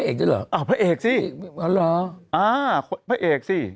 อ้าพระเอกสิ